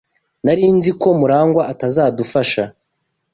Nari nzi ko Murangwa atazadufasha.